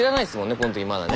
この時まだね。